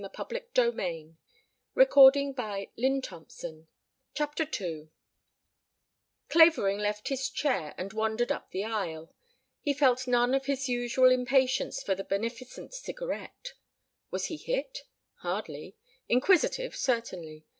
She did not even affect to read her program. II Clavering left his chair and wandered up the aisle. He felt none of his usual impatience for the beneficent cigarette. Was he hit? Hardly. Inquisitive, certainly.